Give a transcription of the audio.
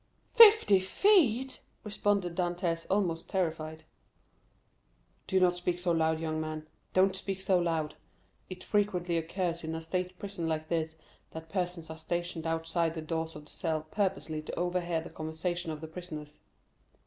"Fifty feet!" responded Dantès, almost terrified. "Do not speak so loud, young man—don't speak so loud. It frequently occurs in a state prison like this, that persons are stationed outside the doors of the cells purposely to overhear the conversation of the prisoners."